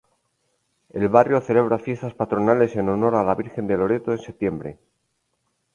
El barrio celebra fiestas patronales en honor a la Virgen de Loreto en septiembre.